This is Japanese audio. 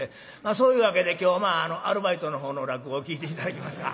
そういうわけで今日アルバイトの方の落語を聴いて頂きますが。